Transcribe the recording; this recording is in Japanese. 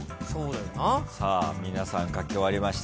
皆さん書き終わりました。